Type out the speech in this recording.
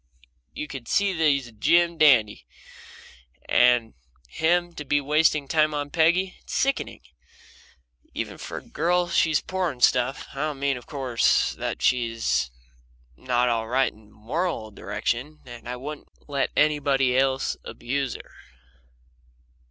You can see he's a Jim dandy and him to be wasting time on Peggy it's sickening! Even for a girl she's poor stuff. I don't mean, of course, that she's not all right in a moral direction, and I wouldn't let anybody else abuse her.